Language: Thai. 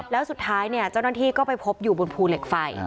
แล้วสุดท้ายเจ้าหน้าที่ก็ไปพบอยู่บนภูเหล็กไฟ